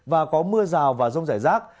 và có mưa rào và rông rải rác